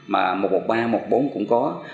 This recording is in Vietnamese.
mà một trăm một mươi ba một trăm một mươi bốn cũng có